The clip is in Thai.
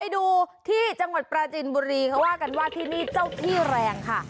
ดูที่จังหวัดปราจินบุรีเขาว่ากันว่าที่นี่เจ้าที่แรงค่ะ